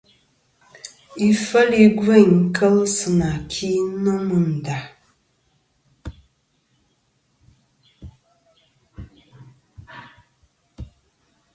Ifel i gveyn kel sɨ nà ki nô mɨ nda.